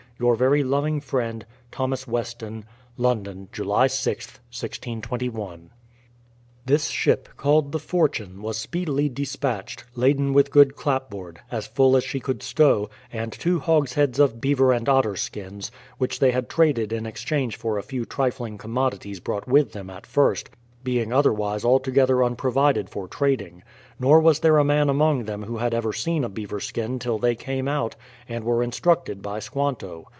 Your very loving friend, THOS. WESTON. London, July 6th, 1621. This ship, called the Fortune, was speedily despatched, laden with good clapboard, as full as she could stow, and two hogsheads of beaver and otter skins, which they had traded in exchange for a few trifling commodities brought with them at first, being otherwise altogether unprovided for trading; nor was there a man among them who had ever seen a beaver skin till they came out, and were in structed by Squanto.